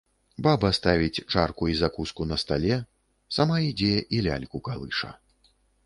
Баба ставіць чаркі і закуску на стале, сама ідзе і ляльку калыша.